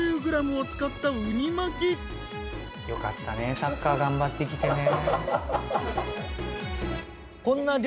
よかったねサッカー頑張ってきてね。